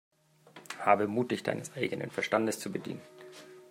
Habe Mut, dich deines eigenen Verstandes zu bedienen!